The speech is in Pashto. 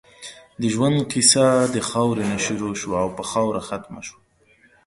د ژؤند قیصه د خاؤرې نه شروع شوه او پۀ خاؤره ختمه شوه